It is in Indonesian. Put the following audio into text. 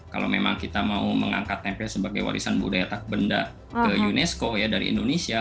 kalau memang kita mau mengangkat tempe sebagai warisan budaya tak benda ke unesco ya dari indonesia